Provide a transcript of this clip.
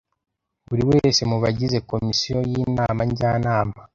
buri wese mu bagize Komisiyo y Inama Njyanama